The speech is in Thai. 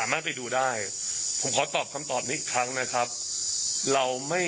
นี่นี่นี่นี่นี่นี่